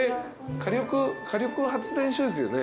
火力発電所ですよね？